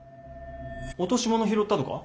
落とし物拾ったとか？